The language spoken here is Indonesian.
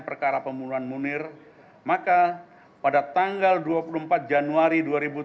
perkara pembunuhan munir maka pada tanggal dua puluh empat januari dua ribu tujuh belas